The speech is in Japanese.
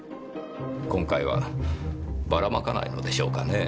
今回はバラ撒かないのでしょうかねぇ。